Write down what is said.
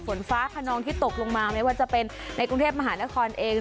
ฝนฟ้าขนองที่ตกลงมาไม่ว่าจะเป็นในกรุงเทพมหานครเอง